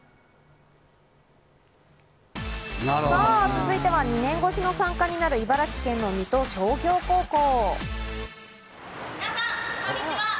続いては２年越しの参加になる茨城県の水戸商業高校。